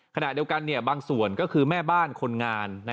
ขณะเดียวกันบางส่วนก็คือแม่บ้านคนงาน